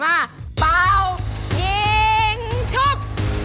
เป่ายิงชุบ